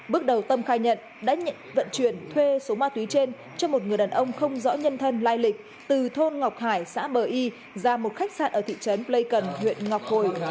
bước đầu tâm khai nhận đã vận chuyển thuê số ma túy trên cho một người đàn ông không rõ nhân thân lai lịch từ thôn ngọc hải xã bờ y ra một khách sạn ở thị trấn pleikon huyện ngọc hồi